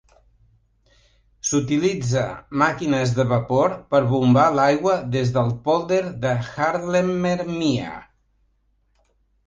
S'utilitza màquines de vapor per bombar l'aigua des del pòlder de Haarlemmermeer.